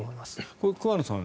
これ、桑野さん